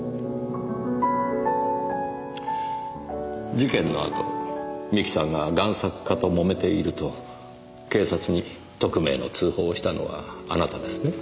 事件の後三木さんが贋作家ともめていると警察に匿名の通報をしたのはあなたですね？